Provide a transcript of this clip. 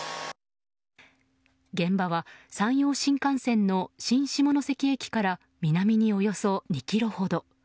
現場は、山陽新幹線の新下関駅から南におよそ２ｋｍほど。